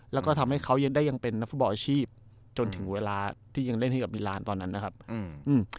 แล้วก็ทำให้เขายังได้ยังเป็นนักฟุตบอลอาชีพจนถึงเวลาที่ยังเล่นให้กับมิลานตอนนั้นนะครับอืม